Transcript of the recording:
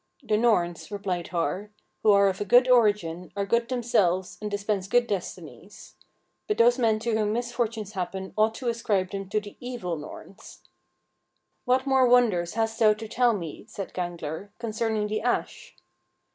"The Norns," replied Har, "who are of a good origin, are good themselves, and dispense good destinies. But those men to whom misfortunes happen ought to ascribe them to the evil Norns." 17. "What more wonders hast thou to tell me," said Gangler, "concerning the ash?"